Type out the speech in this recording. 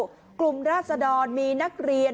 และกับกลุ่มรัษดอนมีนักเรียน